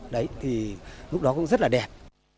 đấy thì lúc đó cũng rất là đẹp